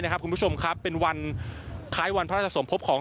นะครับคุณผู้ชมครับเป็นวันคล้ายวันพระสมพบของ